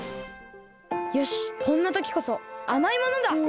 よしこんなときこそあまいものだ！